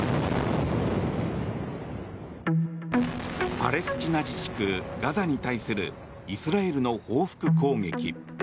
パレスチナ自治区ガザに対するイスラエルの報復攻撃。